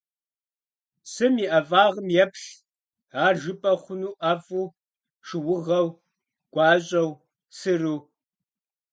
Псым и ӀэфӀагъым еплъ; ар жыпӀэ хъуну ӀэфӀу, шыугъэу, гуащӀэу, сыру?